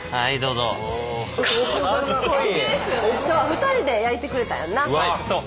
今日は２人で焼いてくれたんやんな。